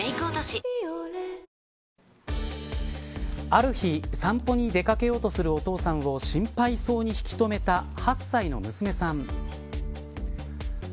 ある日、散歩に出掛けようとするお父さんを心配そうに引き止めた８歳の娘さん。